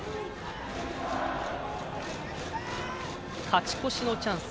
勝ち越しのチャンス